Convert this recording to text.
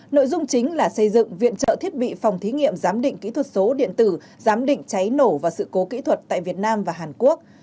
nội dung chính là xây dựng viện trợ thiết bị phòng thí nghiệm giám định kỹ thuật số điện tử giám định cháy nổ và sự cố kỹ thuật tại việt nam và hàn quốc